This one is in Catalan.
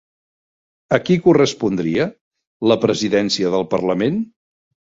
A qui correspondria la presidència del Parlament?